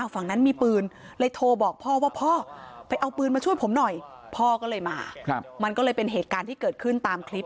ฝั่งนั้นมีปืนเลยโทรบอกพ่อว่าพ่อไปเอาปืนมาช่วยผมหน่อยพ่อก็เลยมามันก็เลยเป็นเหตุการณ์ที่เกิดขึ้นตามคลิป